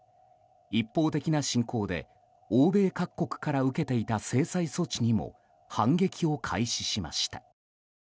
一方的な侵攻で、欧米各国から受けていた制裁措置にも反撃を開始しました。